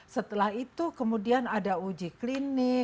setelah itu kemudian ada uji klinik